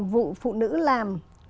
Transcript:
vụ phụ nữ làm